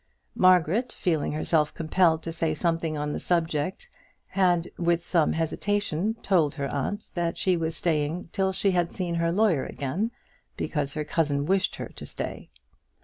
Margaret, feeling herself compelled to say something on the subject, had with some hesitation told her aunt that she was staying till she had seen her lawyer again, because her cousin wished her to stay.